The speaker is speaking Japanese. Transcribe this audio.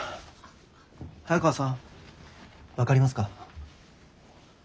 早川さん分かりますか？